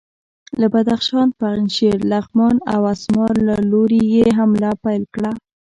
له بدخشان، پنجشیر، لغمان او اسمار له لوري یې حمله پیل کړه.